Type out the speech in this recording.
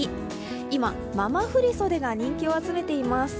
今、ママ振り袖が人気を集めています。